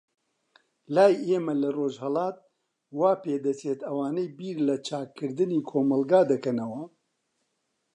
لای ئێمە لە ڕۆژهەلات، وا پێدەچێت ئەوانەی بیر لە چاکردنی کۆمەلگا دەکەنەوە.